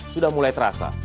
sudah mulai terasa